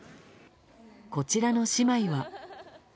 こちらの姉妹は。